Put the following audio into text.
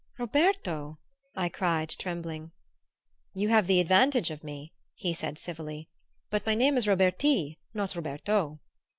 "Roberto!" I cried, trembling. "You have the advantage of me," he said civilly. "But my name is Roberti, not Roberto."